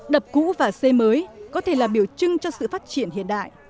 đập cũ và xây mới có thể là biểu trưng cho sự phát triển hiện đại